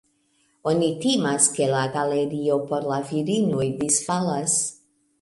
Oni timas, ke la galerio por la virinoj disfalas.